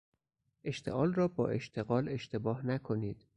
اشتعال را با اشتغال اشتباه نکنید